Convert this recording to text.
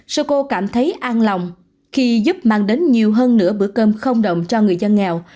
sư cô cảm thấy an lòng khi giúp mang đến nhiều hơn nửa bữa cơm không động cho người dân nghèo